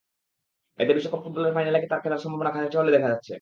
এতে বিশ্বকাপ ফুটবলের ফাইনালে তাঁর খেলার সম্ভাবনা খানিকটা হলেও দেখা দিয়েছে।